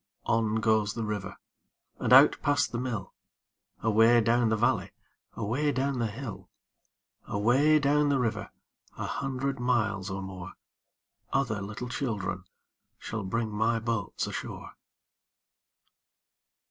On goes the river And out past the mill, Away down the valley, Away down the hill. Away down the river, A hundred miles or more, Other little children Shall bring my boats ashore.